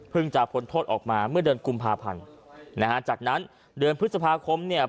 จะพ้นโทษออกมาเมื่อเดือนกุมภาพันธ์นะฮะจากนั้นเดือนพฤษภาคมเนี่ย